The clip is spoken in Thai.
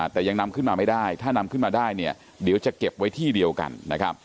แต่ยังนำขึ้นมาไม่ได้ถ้านำขึ้นมาได้เนี่ยเดี๋ยวจะเก็บไว้ที่เดียวกันนะครับ